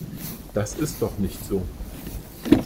Das ist doch nicht so!